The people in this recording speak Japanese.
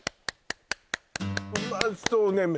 うまそうねえ